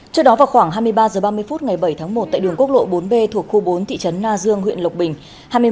trước đó vào khoảng hai mươi ba h ba mươi phút ngày bảy tháng một tại đường quốc lộ bốn b thuộc khu bốn thị trấn na dương huyện lộc bình